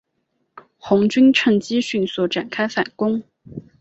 红军乘机迅速展开反攻。